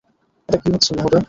এটা কী হচ্ছে, মহোদয়।